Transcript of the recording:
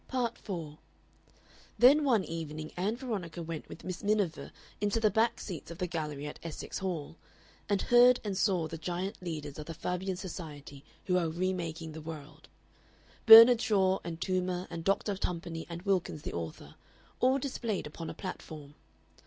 Part 4 Then one evening Ann Veronica went with Miss Miniver into the back seats of the gallery at Essex Hall, and heard and saw the giant leaders of the Fabian Society who are re making the world: Bernard Shaw and Toomer and Doctor Tumpany and Wilkins the author, all displayed upon a platform.